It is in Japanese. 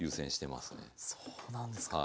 そうなんですか。